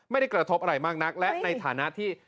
ไม่ได้กระทบอะไรมากนักและในฐานะที่